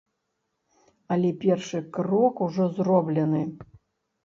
Але першы крок ужо зроблены.